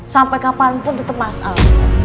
sampai kapanpun tetep masal